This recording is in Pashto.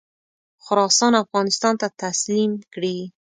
خراسان افغانستان ته تسلیم کړي.